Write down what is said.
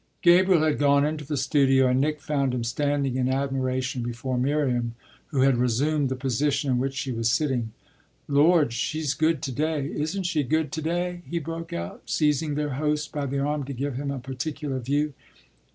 Gabriel had gone into the studio and Nick found him standing in admiration before Miriam, who had resumed the position in which she was sitting. "Lord, she's good to day! Isn't she good to day?" he broke out, seizing their host by the arm to give him a particular view.